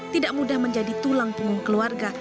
tidak mudah menjadi tulang punggung keluarga